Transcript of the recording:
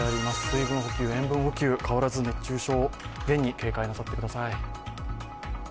水分補給、塩分補給、変わらず熱中症対策、厳に警戒なさってください。